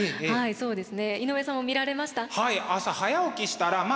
そうですね。